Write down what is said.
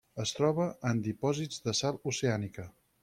Es troba en dipòsits de sal oceànica.